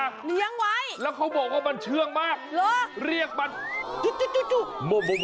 แล้วเขาบอกว่ามันเชื่องมากเรียกมันจุ๊บ